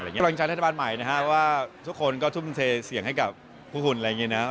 กำลังจากรัฐบาลใหม่นะครับว่าทุกคนก็ทุ่มเศษเสียงให้กับผู้หุ่น